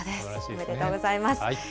おめでとうございます。